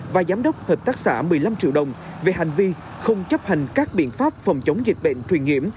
và giám đốc hợp tác xã một mươi năm triệu đồng về hành vi không chấp hành các biện pháp phòng chống dịch bệnh truyền nhiễm